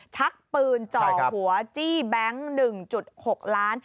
ชักปืนจ่อหัวจี้แบงค์๑๖ล้าน